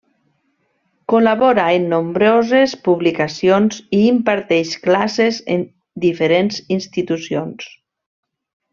Col·labora en nombroses publicacions i imparteix classes en diferents institucions.